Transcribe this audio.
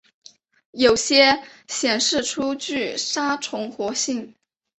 有些显示出具杀虫活性。